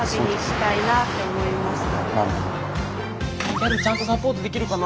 ギャルちゃんとサポートできるかな。